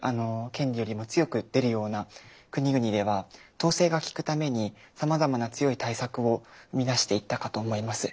権利よりも強く出るような国々では統制がきくためにさまざまな強い対策を生み出していったかと思います。